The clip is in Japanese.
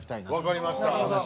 わかりました。